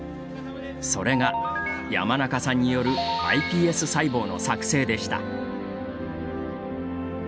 それが山中さんによるｉＰＳ細胞の作製でした。